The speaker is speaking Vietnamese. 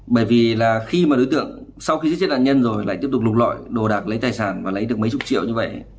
bởi vì là khi mà đối tượng sau khi giết chết nạn nhân rồi lại tiếp tục lục lọi đồ đạc lấy tài sản và lấy được mấy chục triệu như vậy